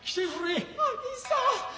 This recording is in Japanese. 兄さん